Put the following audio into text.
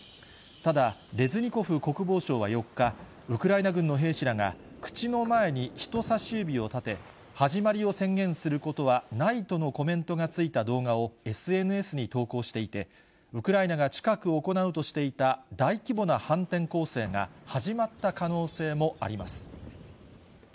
ただ、レズニコフ国防相は４日、ウクライナ軍の兵士らが、口の前に人さし指を立て、始まりを宣言することはないとのコメントがついた動画をＳＮＳに投稿していて、ウクライナが近く行うとしていた、大規模な反転攻勢が始まった可能性もあります。